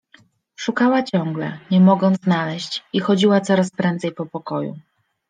Szukała ciągle, nie mogąc znaleźć, i chodziła coraz prędzej po pokoju.